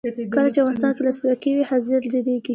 کله چې افغانستان کې ولسواکي وي حاصلات ډیریږي.